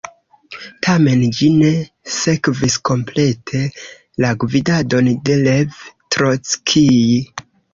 Tamen, ĝi ne sekvis komplete la gvidadon de Lev Trockij.